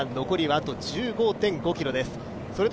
残りはあと１５．５ｋｍです。